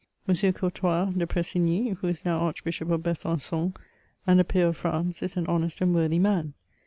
M. Courtois de Pressig^y, who is now Archbishop of Besan^on, and a peer of France, is an honest and worthy man.